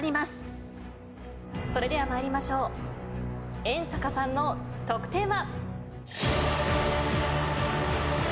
それでは参りましょう遠坂さんの得点は？